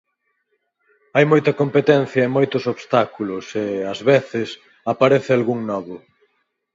Hai moita competencia e moitos obstáculos e, ás veces, aparece algún novo.